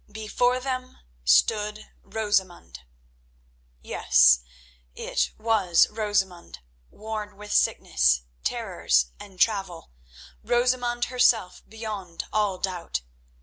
Before them stood Rosamund! Yes, it was Rosamund, worn with sickness, terrors, and travel, Rosamund herself beyond all doubt.